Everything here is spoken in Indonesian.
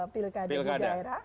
pilkada di daerah